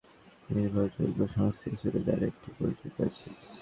বিশ্ব সুশীল সমাজের একটি নির্ভরযোগ্য সংস্থা হিসেবে তার একটি পরিচিতি আছে।